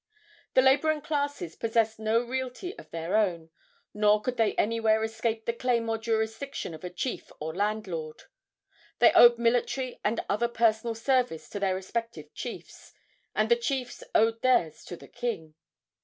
The laboring classes possessed no realty of their own, nor could they anywhere escape the claim or jurisdiction of a chief or landlord. They owed military and other personal service to their respective chiefs, and the chiefs owed theirs to the king.